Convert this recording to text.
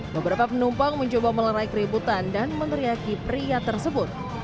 beberapa penumpang mencoba melerai keributan dan meneriaki pria tersebut